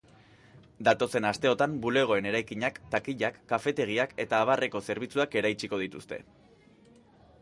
Datozen asteotan bulegoen erakinak, takilak, kafetegiak eta abarreko zerbitzuak eraitsiko dituzte.